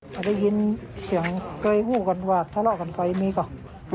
พอได้ยินเสียงเคยหู้กันว่าทะเลาะกันไปมีก่อน